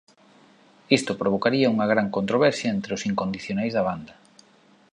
Isto provocaría unha gran controversia entre os incondicionais da banda.